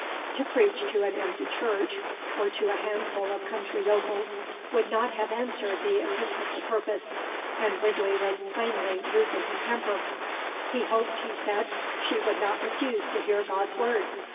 To preach to an empty church, or to a handful of country yokels, would not have answered the episcopal purpose; and Ridley was plainly losing his temper. He hoped, he said, she would not refuse to hear God's word.